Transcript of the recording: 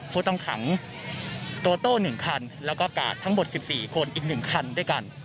ผู้ต้องขังโต้โต้หนึ่งคันแล้วก็กาททั้งหมดสิบสี่คนอีกหนึ่งคันด้วยกัน